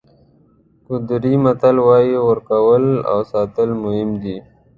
کوردي متل وایي ورکول او ساتل مهم دي.